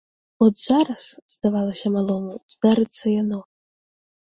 От зараз, здавалася малому, здарыцца яно.